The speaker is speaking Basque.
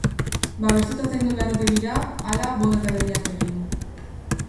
Babestu eta zaindu behar ote dira, ala bota eta berriak egin?